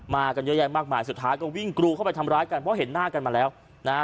กันเยอะแยะมากมายสุดท้ายก็วิ่งกรูเข้าไปทำร้ายกันเพราะเห็นหน้ากันมาแล้วนะฮะ